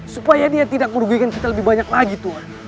supaya dia tidak merugikan kita lebih banyak lagi tuhan